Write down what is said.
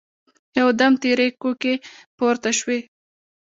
يودم تېرې کوکې پورته شوې.